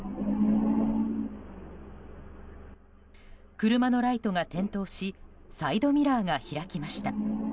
車のライトが点灯しサイドミラーが開きました。